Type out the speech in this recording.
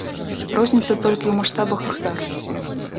Розніца толькі ў маштабах ахвяр.